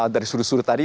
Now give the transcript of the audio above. dari suruh suruh tadi